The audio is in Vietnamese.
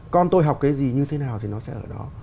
con tôi học cái gì như thế nào thì nó sẽ ở đó